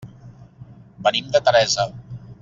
Venim de Teresa.